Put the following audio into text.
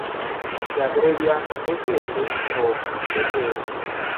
Se abrevia fL o fl.